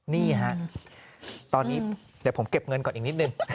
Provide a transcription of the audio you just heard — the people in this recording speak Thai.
นี่ฮะตอนนี้เดี๋ยวผมเก็บเงินก่อนอีกนิดนึง